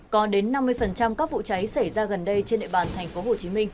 có đến năm mươi các vụ cháy xảy ra gần đây trên địa bàn tp hcm